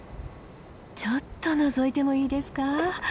ちょっとのぞいてもいいですか？